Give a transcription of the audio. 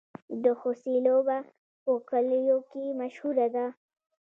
د خوسي لوبه په کلیو کې مشهوره ده.